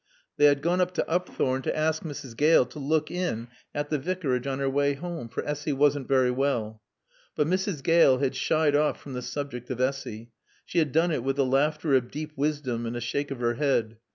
They had gone up to Upthorne to ask Mrs. Gale to look in at the Vicarage on her way home, for Essy wasn't very well. But Mrs. Gale had shied off from the subject of Essy. She had done it with the laughter of deep wisdom and a shake of her head.